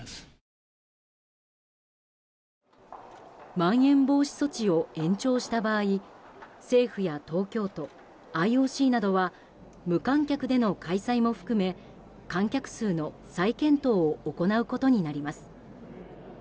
まん延防止措置を延長した場合政府や東京都、ＩＯＣなどは無観客での開催も含め観客数の再検討を行うことになります。